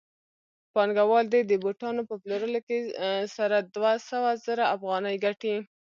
پانګوال د دې بوټانو په پلورلو سره دوه سوه زره افغانۍ ګټي